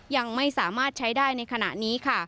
ยังไม่สามารถใช้ได้ในขณะนี้ค่ะ